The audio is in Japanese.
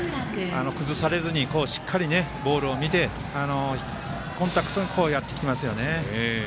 崩されずにしっかりボールを見てコンタクトにやってきていますよね。